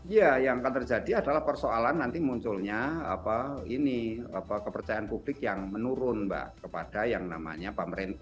ya yang akan terjadi adalah persoalan nanti munculnya kepercayaan publik yang menurun mbak kepada yang namanya pemerintah